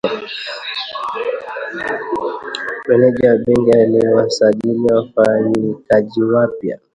Meneja wa benki aliwasajili wafanyikaji wapya